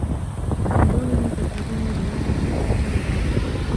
من دونه فكيدوني جميعا ثم لا تنظرون